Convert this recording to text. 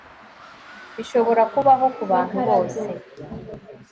Bishobora kubaho kubantu bose